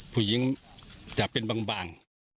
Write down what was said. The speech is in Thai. ผู้หญิงจะเป็นบาง